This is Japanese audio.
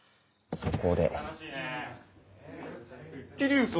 そこで。